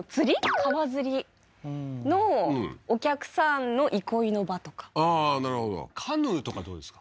川釣りのお客さんの憩いの場とかああーなるほどカヌーとかどうですか？